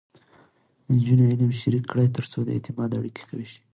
نجونې علم شریک کړي، ترڅو د اعتماد اړیکې قوي شي.